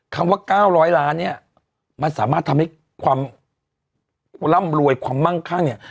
ว่า๙๐๐ล้านเนี่ยมันสามารถทำให้ความร่ำรวยความมั่งคั่งเนี่ย